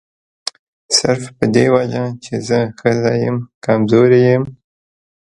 صرف په دې وجه چې زه ښځه یم کمزوري یم.